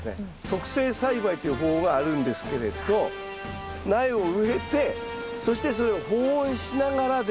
促成栽培という方法があるんですけれど苗を植えてそしてそれを保温しながらですね